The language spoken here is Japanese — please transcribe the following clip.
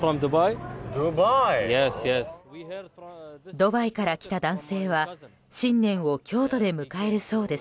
ドバイから来た男性は新年を京都で迎えるそうです。